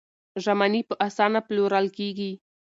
ژمنې په اسانه پلورل کېږي.